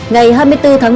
ngày hai mươi bốn tháng bảy